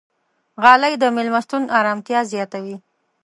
غالۍ د میلمستون ارامتیا زیاتوي.